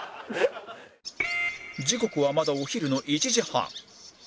時刻はまだお昼の１時半